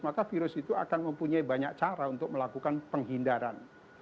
maka virus itu akan mempunyai banyak cara untuk melakukan penghindaran